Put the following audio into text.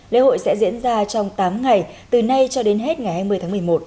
lễ hội sẽ diễn ra trong tám ngày từ nay cho đến hết ngày hai mươi tháng một mươi một